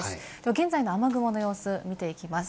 現在の雨雲の様子、見ていきます。